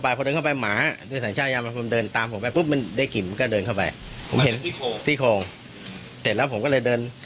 ยืนนิ่งตรงนั้นแหละแล้วก็ตะโกนกลับไปที่